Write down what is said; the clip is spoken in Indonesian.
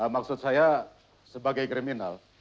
maksud saya sebagai kriminal